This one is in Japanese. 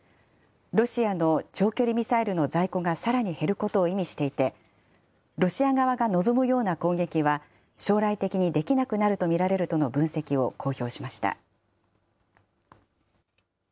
ロシアの長距離ミサイルの在庫がさらに減ることを意味していて、ロシア側が望むような攻撃は将来的にできなくなると見られるとの分析を公表しました。